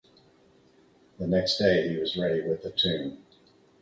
The next day he was ready with the tune.